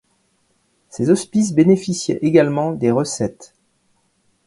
Ces hospices bénéficiaient également des recettes.